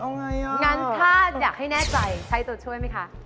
งั้นถ้าอยากให้แน่ใจใช้ตัวช่วยไหมคะ